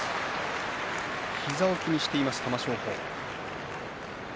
膝を気にしている玉正鳳。